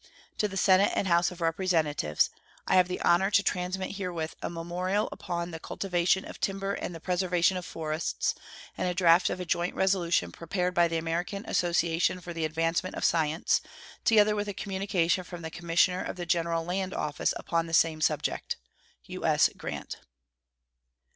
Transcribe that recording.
To the Senate and House of Representatives: I have the honor to transmit herewith a memorial upon the "cultivation of timber and the preservation of forests," and a draft of a joint resolution prepared by the American Association for the Advancement of Science, together with a communication from the Commissioner of the General Land Office upon the same subject. U.S. GRANT.